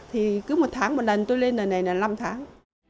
thì cứ một tháng một lần tôi lên lần này là năm tháng